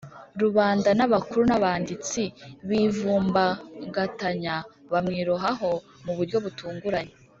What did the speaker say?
rubanda n abakuru n abanditsi bivumbagatanya bamwirohaho mu buryo butunguranye